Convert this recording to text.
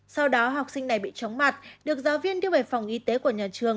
sau đó học sinh này bị chóng mặt được giáo viên đưa về phòng y tế của nhà trường